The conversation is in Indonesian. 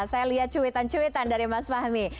saya lihat cuitan cuitan dari mas fahmi